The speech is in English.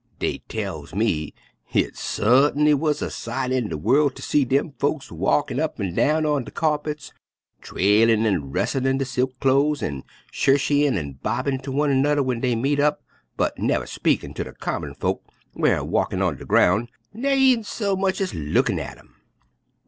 Dey tells me hit sut'n'y wuz a sight in de worl' ter see dem 'ar folks walkin' up an' down on de kyarpets, trailin' an' rus'lin' der silk clo'es, an' curchyin' an' bobbin' ter one nu'rr w'en dey met up, but nuver speakin' ter de common folks whar walkin' on de groun', ner even so much ez lookin' at 'em.